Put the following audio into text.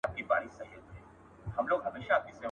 څه ژرنده پڅه وه، څه غنم لانده وه.